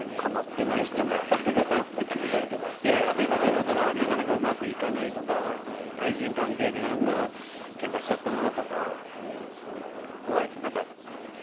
たまっていない人が仕事がなかなかうまくいかないとか対人関係で何かけんかしちゃったなとか。